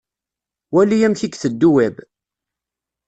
Wali amek i iteddu Web.